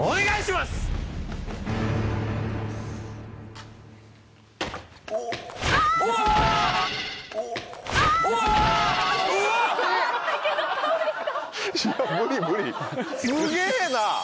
すげぇな。